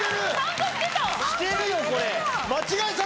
してるよ、これ。